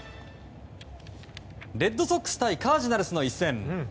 レッドソックス対カージナルスの一戦。